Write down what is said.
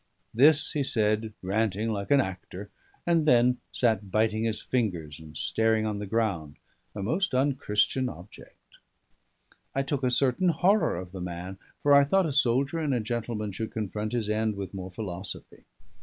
This he said ranting like an actor; and then sat biting his fingers and staring on the ground, a most unchristian object. I took a certain horror of the man, for I thought a soldier and a gentleman should confront his end with more philosophy.